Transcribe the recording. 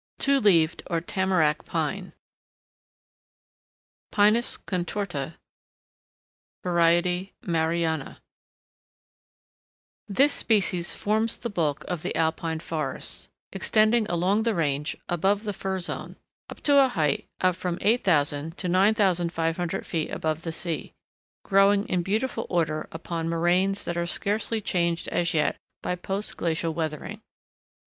TWO LEAVED, OR TAMARACK, PINE (Pinus contorta, var._Marrayana_) This species forms the bulk of the alpine forests, extending along the range, above the fir zone, up to a height of from 8000 to 9500 feet above the sea, growing in beautiful order upon moraines that are scarcely changed as yet by post glacial weathering.